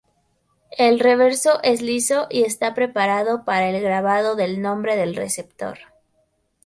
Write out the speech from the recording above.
El reverso es liso y está preparado para el grabado del nombre del receptor.